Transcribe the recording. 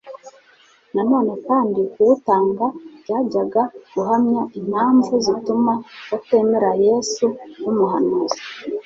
na none kandi kuwutanga byajyaga guhamya impamvu zituma batemera Yesu nk'umuhanuzi.